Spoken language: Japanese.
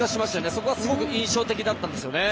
そこはすごく印象的だったんですよね。